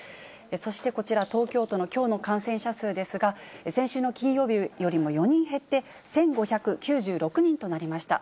そしてこちら、東京都のきょうの感染者数ですが、先週の金曜日よりも４人減って、１５９６人となりました。